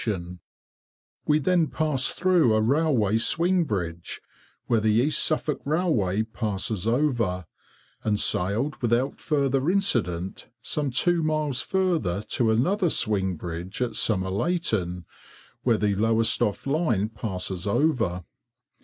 [Picture: Somerleyton Hall] We then passed through a railway swing bridge, where the East Suffolk Railway passes over, and sailed without further incident some two miles further to another swing bridge at Somerleyton, where the Lowestoft line passes over.